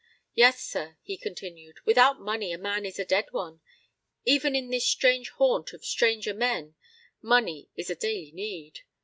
"Yes, sir," he continued, "without money a man is a dead one; even in this strange haunt of stranger men money is a daily need.